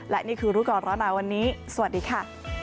และนี่คือรู้ก่อนร้อนหนาวันนี้สวัสดีค่ะ